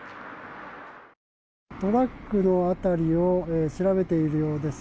トラックの辺りを調べているようです。